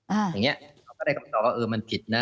อย่างนี้เขาก็ได้คำตอบว่าเออมันผิดนะ